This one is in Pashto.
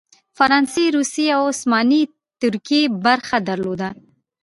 فرانسې، روسیې او عثماني ترکیې برخه درلوده.